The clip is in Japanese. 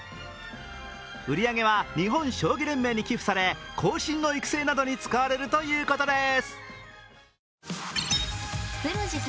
売り上げは日本将棋連盟に寄付され後進の育成などに使われるということです。